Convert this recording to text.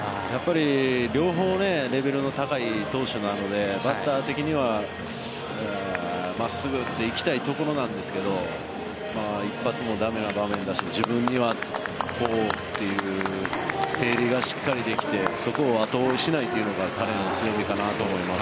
両方、レベルの高い投手なのでバッター的には真っすぐ打っていきたいところなんですが一発も駄目な場面だし自分にはこうという整理がしっかりできてそこを後追いしないのが彼の強みかなと思います。